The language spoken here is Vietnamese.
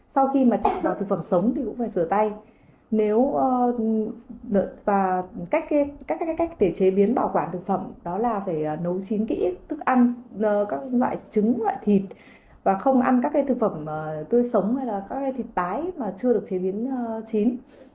sau khi mà chế biến bảo quản thực phẩm thì cũng phải rửa tay các cách để chế biến bảo quản thực phẩm đó là phải nấu chín kỹ thức ăn các loại trứng loại thịt và không ăn các thực phẩm tươi sống hay là các thịt tái mà chưa được chế biến chín